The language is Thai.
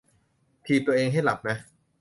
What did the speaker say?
ถีบตัวเองให้หลับนะ